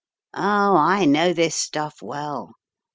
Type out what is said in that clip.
"Oh, I know this stuff well.